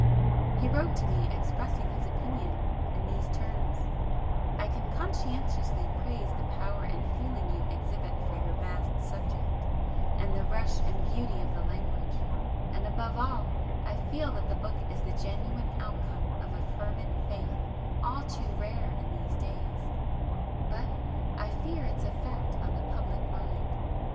He wrote to me expressing his opinion in these terms: "I can conscientiously praise the power and feeling you exhibit for your vast subject, and the rush and beauty of the language, and above all I feel that the book is the genuine outcome of a fervent faith all too rare in these days, but I fear its effect on the public mind."